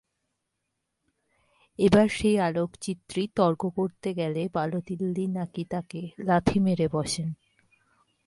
এবার সেই আলোকচিত্রী তর্ক করতে গেলে বালোতেল্লি নাকি তাঁকে লাথি মেরে বসেন।